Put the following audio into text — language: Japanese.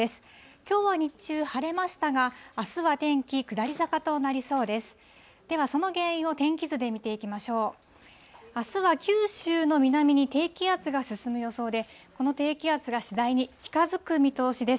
きょうは日中、晴れましたが、あすは天気、下り坂となりそうです。